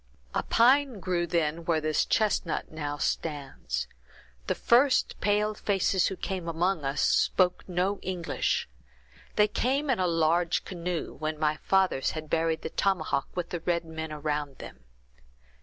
"A pine grew then where this chestnut now stands. The first pale faces who came among us spoke no English. They came in a large canoe, when my fathers had buried the tomahawk with the red men around them.